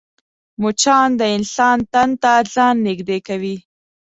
مچان د انسان تن ته ځان نږدې کوي